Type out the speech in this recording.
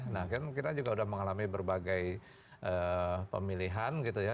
nah kan kita juga sudah mengalami berbagai pemilihan gitu ya